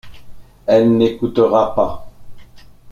Elle n’écoutera pas.